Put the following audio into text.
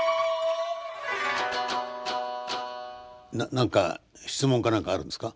何か質問か何かあるんですか？